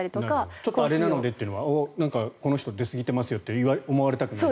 ちょっとあれなのでというのはこの人、出すぎと思われたくない。